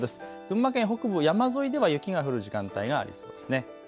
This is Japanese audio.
群馬県北部、山沿いでも雪が降る時間帯がありそうです。